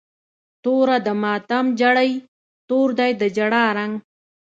توره د ماتم جړۍ، تور دی د جړا رنګ